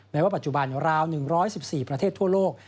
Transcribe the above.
ว่าปัจจุบันราว๑๑๔ประเทศทั่วโลก